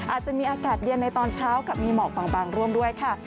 อาจจะมีอากาศเย็นในตอนเช้ากับมีหมอกบางร่วมด้วยค่ะ